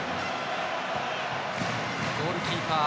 ゴールキーパー